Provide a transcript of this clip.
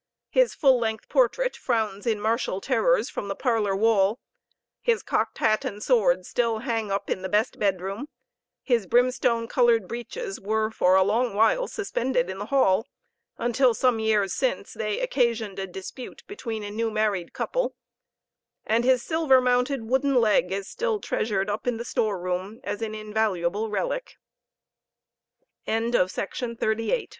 His full length portrait frowns in martial terrors from the parlor wall, his cocked hat and sword still hang up in the best bed room; his brimstone colored breeches were for a long while suspended in the hall, until some years since they occasioned a dispute between a new married couple; and his silver mounted wooden leg is still treasured up in the store room as an invaluable relique. CHAPTER XIII. Among the numerous events, w